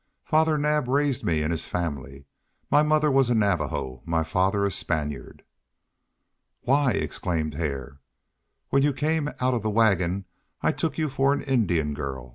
Father Naab raised me in his family. My mother was a Navajo, my father a Spaniard." "Why!" exclaimed Hare. "When you came out of the wagon I took you for an Indian girl.